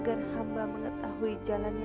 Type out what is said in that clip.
mereka kan buka bidik perdamaiannya